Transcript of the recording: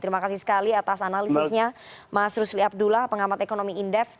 terima kasih sekali atas analisisnya mas rusli abdullah pengamat ekonomi indef